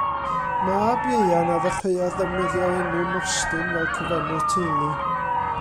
Mab Ieuan a ddechreuodd ddefnyddio'r enw Mostyn fel cyfenw'r teulu.